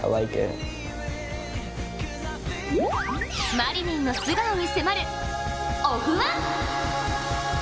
マリニンの素顔に迫る「オフ☆１」。